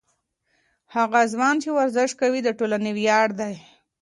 هغه ځوان چې ورزش کوي، د ټولنې ویاړ دی.